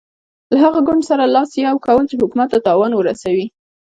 له هغه ګوند سره لاس یو کول چې حکومت ته تاوان ورسوي.